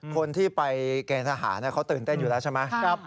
คนที่ไปเกณฑ์ทหารเขาตื่นเต้นอยู่แล้วใช่ไหม